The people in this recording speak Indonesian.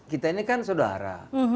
agar kita ini kita ini kan saudara